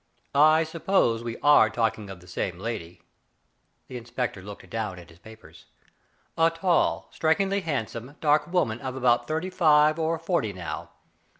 " I suppose we are talking of the same lady "— the inspector looked down at his papers — "a tall, strikingly handsome, dark woman of about thirty five or forty now.